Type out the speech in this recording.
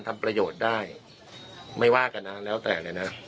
ทำประโยชน์ได้ไม่ว่ากันนะแล้วแต่เลยนะ